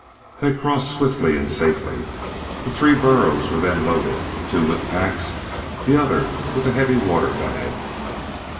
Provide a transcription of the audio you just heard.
They crossed swiftly and safely. The three burros were then loaded, two with packs, the other with a heavy water bag.